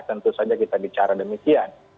tentu saja kita bicara demikian